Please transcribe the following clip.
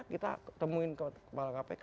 kita temuin kepala kpk